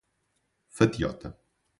Fatiota